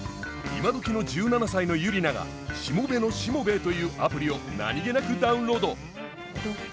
今どきの１７歳のユリナが「しもべのしもべえ」というアプリを何気なくダウンロード。